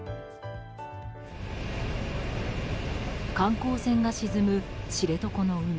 観光船が沈む知床の海。